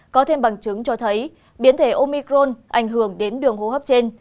có thêm bằng chứng cho thấy biến thể omicron ảnh hưởng đến đường hô hấp trên